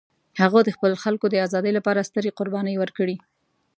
هغه د خپل خلکو د ازادۍ لپاره سترې قربانۍ ورکړې.